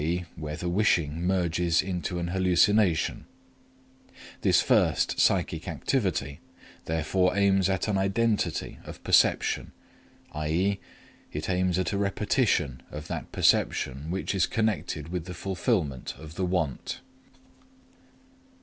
e._ where the wishing merges into an hallucination, This first psychic activity therefore aims at an identity of perception, i.e. it aims at a repetition of that perception which is connected with the fulfillment of the want.